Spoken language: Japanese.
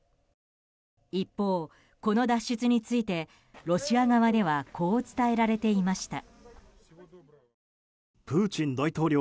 一方、この脱出についてロシア側ではこう伝えられていました。